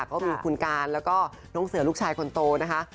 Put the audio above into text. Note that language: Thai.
ก็มีคุณการแล้วก็น้องเสือลูกชายคนโตนะคะ